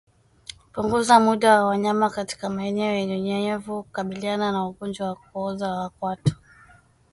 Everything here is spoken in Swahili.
Punguza muda wa wanyama katika maeneo yenye unyevunyevu kukabiliana na ugonjwa wa kuoza kwato